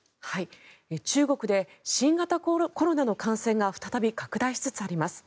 中国で新型コロナの感染が再び拡大しつつあります。